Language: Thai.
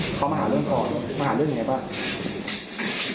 เขามาหาเรื่องก่อนมาหาเรื่องยังไงบ้าง